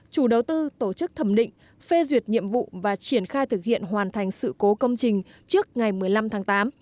chức thẩm định phê duyệt nhiệm vụ và triển khai thực hiện hoàn thành sự cố công trình trước ngày một mươi năm tháng tám